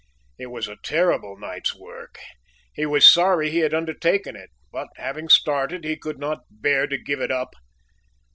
It was a terrible night's work. He was sorry he had undertaken it; but having started he could not bear to give it up.